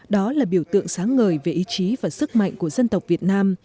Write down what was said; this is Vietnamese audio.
đó là biểu tượng sáng ngời về ý chí và sức mạnh của dân tộc việt nam